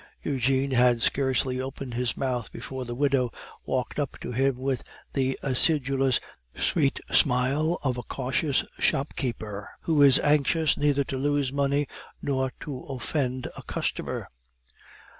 Eugene had scarcely opened his mouth before the widow walked up to him with the acidulous sweet smile of a cautious shopkeeper who is anxious neither to lose money nor to offend a customer.